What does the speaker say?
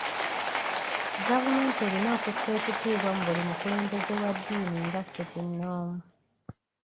Gavumenti erina okussa ekitiibwa mu buli mukulembeze wa ddiini nga ssekinoomu.